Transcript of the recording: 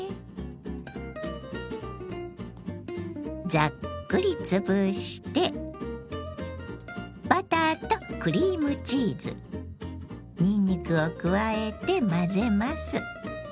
ザックリつぶしてバターとクリームチーズにんにくを加えて混ぜます。